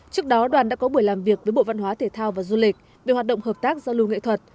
trước đó đoàn đã có buổi làm việc với bộ văn hóa thể thao và du lịch về hoạt động hợp tác giao lưu nghệ thuật